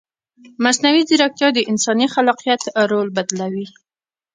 مصنوعي ځیرکتیا د انساني خلاقیت رول بدلوي.